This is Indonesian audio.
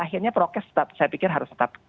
akhirnya prokes saya pikir harus tetap